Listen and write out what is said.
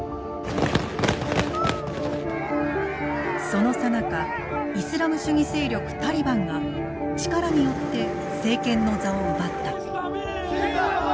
そのさなかイスラム主義勢力タリバンが力によって政権の座を奪った。